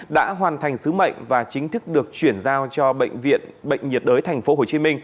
đã hoàn thành sứ mệnh và chính thức được chuyển giao cho bệnh viện bệnh nhiệt đới tp hcm